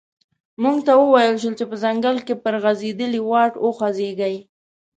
موږ ته و ویل شول چې په ځنګله کې پر غزیدلي واټ وخوځیږئ.